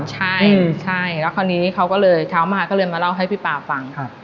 ใช่แล้วคราวนี้เขาก็เลยเช้ามาก็เลยมาเล่าให้พี่ป่าฟัง